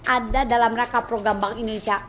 ada dalam rangka program bank indonesia